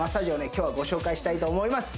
今日はご紹介したいと思います